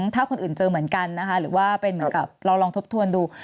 ถ้าคนอื่นเจอเหมือนกันนะคะหรือว่าเป็นเหมือนกับเราลองทบทวนดู